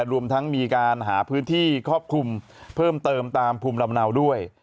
รวมทั้งมีการหาพื้นที่ครอบคลุมเพิ่มเติมตามภูมิลำเนาด้วย